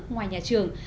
ngoài nhà trường